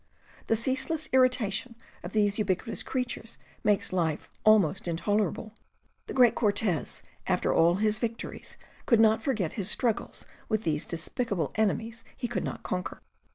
... The ceaseless irritation of these ubiquitous creatures makes life almost intolerable. The great Cortez, after all his victories, could not forget his struggles with these despicable enemies he could not conquer.